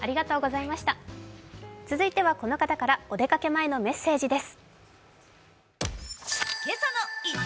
続いては、この方からお出かけ前のメッセージです。